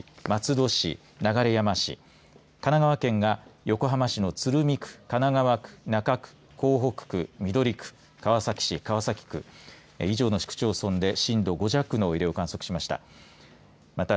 千葉県が千葉市中央区船橋市、松戸市、流山市神奈川県が横浜市の鶴見区神奈川区、中区、港北区緑区、川崎市川崎区以上の市区町村で震度５弱の揺れを観測しました。